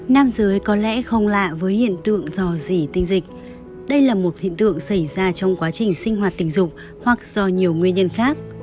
nam giới có lẽ không lạ với hiện tượng dò dỉ tinh dịch đây là một hiện tượng xảy ra trong quá trình sinh hoạt tình dục hoặc do nhiều nguyên nhân khác